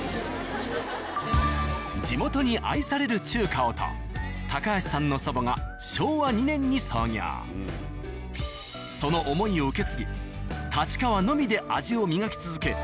「地元に愛される中華を」と橋さんの祖母がその思いを受け継ぎ立川のみで味を磨き続け